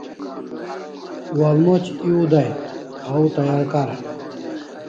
Walmoc ew day, au tayar kara